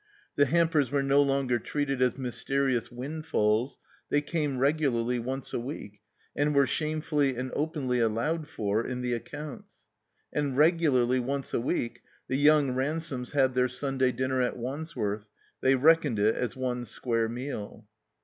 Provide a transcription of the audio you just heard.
The hampers were no longer treated as mysterious windfalls; they came regularly once a week, and were shamefully and openly allowed for in the accounts. And regularly once a week the young Ransomes had thdr Simday dinner at Wandsworth; they reckoned it as one square meal.